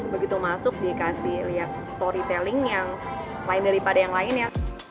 begitu masuk dikasih lihat storytelling yang lain daripada yang lainnya